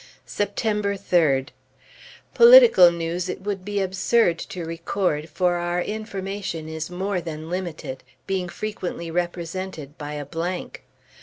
September 3d. Political news it would be absurd to record; for our information is more than limited, being frequently represented by a blank.